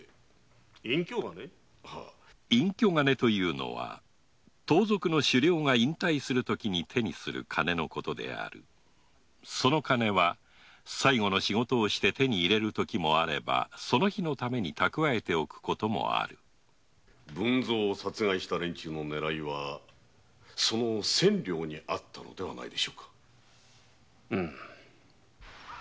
隠居金とは盗賊の首領が引退するときに手にする金のことでその金は最後の仕事をして手に入れるときもあればその日のために蓄えておくこともある文造を殺害した連中の狙いはその千両にあったのではないかと。